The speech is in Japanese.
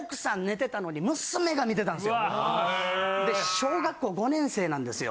小学校５年生なんですよ。